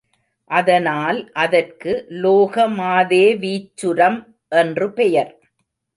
அதனால் அதற்கு லோகமாதேவீச்சுரம் என்று பெயர்.